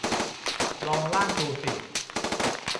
ลองลากดูสิ